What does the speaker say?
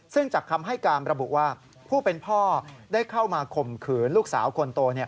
ซึ่งจากคำให้การระบุว่าผู้เป็นพ่อได้เข้ามาข่มขืนลูกสาวคนโต